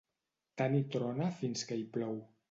Tant hi trona fins que hi plou.